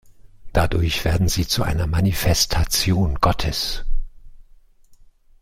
Dadurch werden sie zu einer Manifestation Gottes.